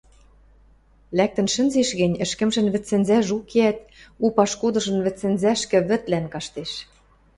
лӓктӹн шӹнзеш гӹнь, ӹшкӹмжӹн вӹдсӹнзӓжӹ укеӓт, у пашкудыжын вӹдсӹнзӓшкӹ вӹдлӓн каштеш.